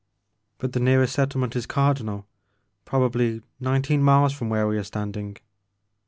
But the nearest settlement is Cardinal, prob ably nineteen miles fix)m where we are standing."